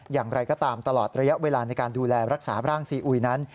อย่างไรก็ตามตลอดระยะเวลาในการดูแลรักษาร่างซีอุยนั้น